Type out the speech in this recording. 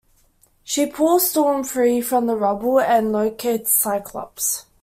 She pulls Storm free from the rubble, and locates Cyclops.